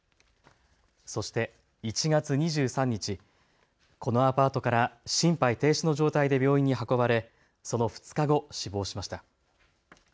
そして１月２３日、このアパートから心肺停止の状態で病院に運ばれその２日後、死亡しました。